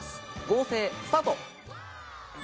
合成スタート。